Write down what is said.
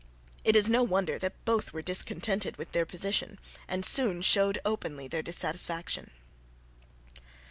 It is no wonder that both were discontented with their position and soon showed openly their dissatisfaction.